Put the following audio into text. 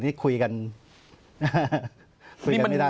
แต่ขุยกันไม่ได้